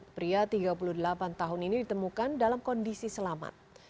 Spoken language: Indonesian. pria tiga puluh delapan tahun ini ditemukan dalam kondisi selamat